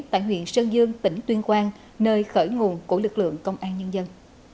tại huyện sơn dương tỉnh tuyên quang nơi khởi nguồn của lực lượng công an nhân dân